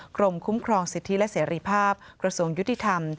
กรมคุ้มครองสิทธิและเสรีภาพกระทรวงยุติธรรม